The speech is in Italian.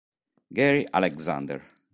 Gary Alexander